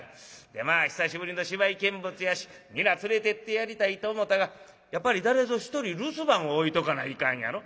でまあ久しぶりの芝居見物やし皆連れてってやりたいと思うたがやっぱり誰ぞ一人留守番を置いとかないかんやろ。